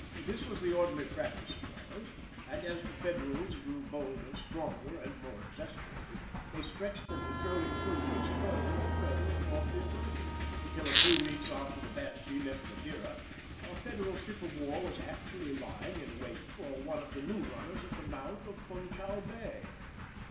This was the ordinary practice of runners, and as the Federals grew bolder, stronger, and more exasperated, they stretched their patrolling cruisers further and further across the Atlantic, till, a few weeks after the Banshee left Madeira, a Federal ship of war was actually lying in wait for one of the new runners at the mouth of Funchal Bay!